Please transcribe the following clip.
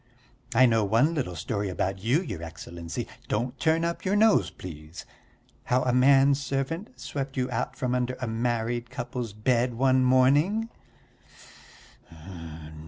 I know one little story about you, your Excellency don't turn up your nose, please how a man servant swept you out from under a married couple's bed one morning."